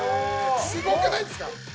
・すごくないですか？